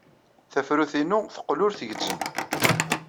Tafrut-inu teqqel ur tgezzem.